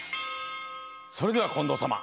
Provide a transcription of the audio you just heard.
それでは近藤さま